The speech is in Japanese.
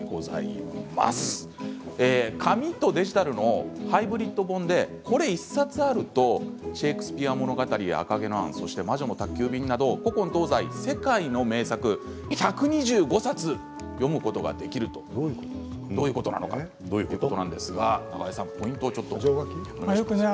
紙とデジタルのハイブリッド本でこれ１冊あると「シェイクスピア物語」「赤毛のアン」「魔女の宅急便」など古今東西、世界の名作１２５冊読むことができるどういうことなのかということなんですが永江さんポイントをお願いします。